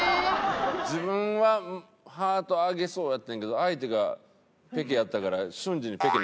自分はハート上げそうやってんけど相手がペケやったから瞬時にペケに変えたっていうね。